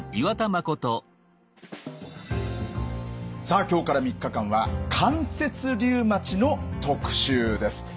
さあ今日から３日間は関節リウマチの特集です。